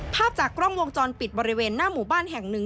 ภาพจากกล้องวงจรปิดบริเวณหน้าหมู่บ้านแห่งหนึ่ง